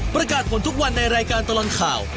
ประกาศผลทุกวันในรายการตลอดข่าว